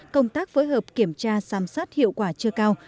công tác phối hợp kiểm tra giám sát hiệu quả chưa cao